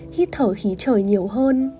hít thở khí trời nhiều hơn